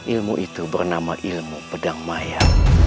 ilmu itu bernama ilmu pedang maya